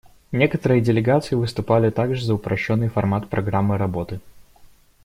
Некоторые делегации выступали также за упрощенный формат программы работы.